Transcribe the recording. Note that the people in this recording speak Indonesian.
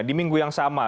di minggu yang sama